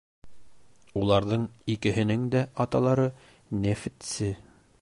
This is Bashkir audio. Уларҙың икеһенең дә аталары нефтсе.